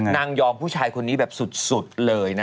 ยอมผู้ชายคนนี้แบบสุดเลยนะ